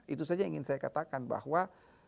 itu saja yang ingin saya katakan bahwa